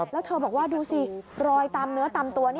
แล้วเธอบอกว่าดูสิรอยตามเนื้อตามตัว